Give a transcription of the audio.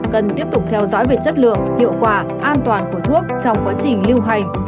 cần tiếp tục theo dõi về chất lượng hiệu quả an toàn của thuốc trong quá trình lưu hành